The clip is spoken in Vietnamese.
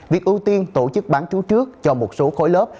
việc ưu tiên tổ chức bán chú trước cho một số khối lớp